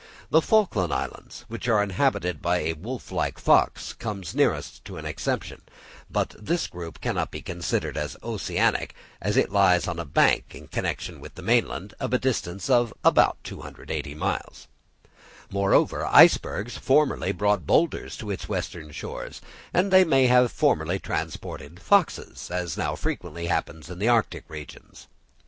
The Falkland Islands, which are inhabited by a wolf like fox, come nearest to an exception; but this group cannot be considered as oceanic, as it lies on a bank in connection with the mainland at a distance of about 280 miles; moreover, icebergs formerly brought boulders to its western shores, and they may have formerly transported foxes, as now frequently happens in the arctic regions.